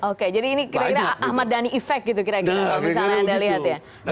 oke jadi ini kira kira ahmad dhani efek gitu kira kira kalau misalnya anda lihat ya